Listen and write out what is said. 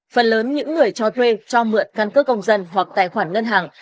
phần lớn những người cho thuê cho mượn căn cước công dân hoặc tài khoản ngân hàng